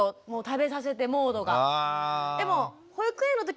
食べさせてモードが。